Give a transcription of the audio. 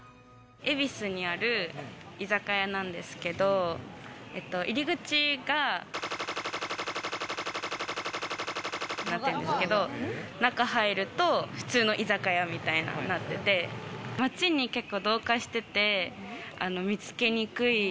恵比寿にある居酒屋なんですけど、入り口がになってるんですけど、中入ると、普通の居酒屋みたいになってて、街に同化してて見つけにくい。